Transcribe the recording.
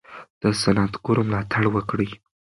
د صنعتګرو ملاتړ وکړئ.